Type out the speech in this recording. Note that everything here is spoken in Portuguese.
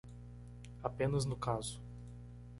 Apenas no caso.